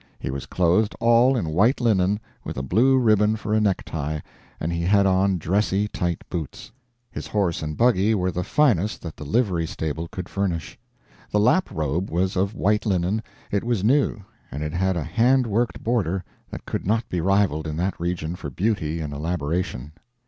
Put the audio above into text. He was clothed all in white linen, with a blue ribbon for a necktie, and he had on dressy tight boots. His horse and buggy were the finest that the livery stable could furnish. The lap robe was of white linen, it was new, and it had a hand worked border that could not be rivaled in that region for beauty and elaboration.